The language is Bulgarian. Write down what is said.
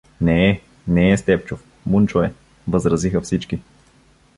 — Не е, не е Стефчов — Мунчо е — възразиха всички.